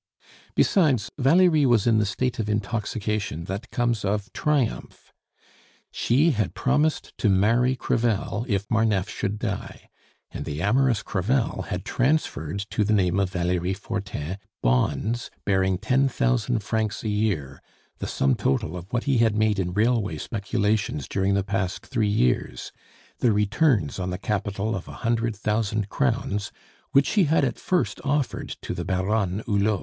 Besides, Valerie was in the state of intoxication that comes of triumph. She had promised to marry Crevel if Marneffe should die; and the amorous Crevel had transferred to the name of Valerie Fortin bonds bearing ten thousand francs a year, the sum total of what he had made in railway speculations during the past three years, the returns on the capital of a hundred thousand crowns which he had at first offered to the Baronne Hulot.